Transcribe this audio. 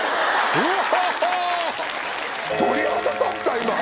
うわ！